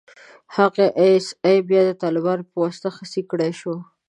هغه ای اس ای بيا د طالبانو په واسطه خصي کړای شو.